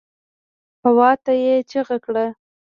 هواته يې چيغه کړه.